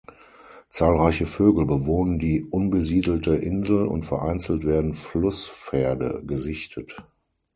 Zahlreiche Vögel bewohnen die unbesiedelte Insel, und vereinzelt werden Flusspferde gesichtet.